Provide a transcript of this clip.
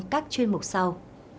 các chuyên mục sau